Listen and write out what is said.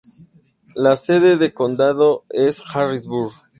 La sede de condado es Harrisburg.